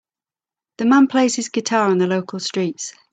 The man plays his guitar on the local streets.